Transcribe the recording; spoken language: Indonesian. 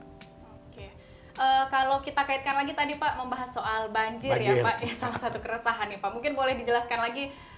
oke kalau kita kaitkan lagi tadi pak membahas soal banjir ya pak ya salah satu keresahan ya pak mungkin boleh dijelaskan lagi